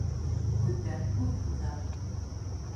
Һүҙҙән һүҙ уҙа